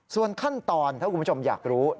ส่วนขั้นตอนถ้าคุณผู้ชมอยากรู้